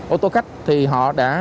ô tô khách thì họ đã